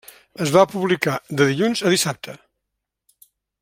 Es va publicar de dilluns a dissabte.